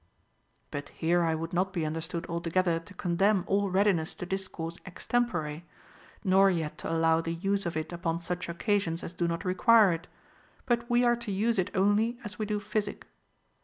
* But here I would not be understood altogether to condemn all readi ness to discourse extempore, nor yet to allow the use of it upon such occasions as do not require it ; but we are to use it only as we do physic.